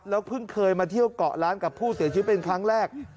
แล้วเพิ่งเคยมาเที่ยวก่อร้านกับผู้เตือนชีวิตเป็นครั้งแรก